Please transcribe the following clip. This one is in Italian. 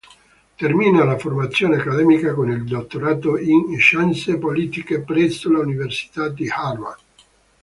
Termina la formazione accademica con il dottorato in scienze politiche presso l'Università di Harvard.